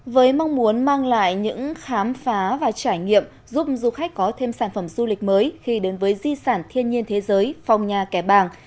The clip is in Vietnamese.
với mong muốn mang lại những khám phá và trải nghiệm giúp du khách có thêm sản phẩm du lịch mới khi đến với di sản thiên nhiên thế giới phòng nhà kẻ bàng